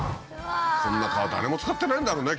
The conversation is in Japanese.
こんな川誰も使ってないんだろうね